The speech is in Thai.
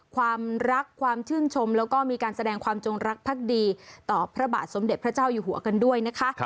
ความรักความชื่นชมแล้วก็มีการแสดงความจงรักภักดีต่อพระบาทสมเด็จพระเจ้าอยู่หัวกันด้วยนะคะ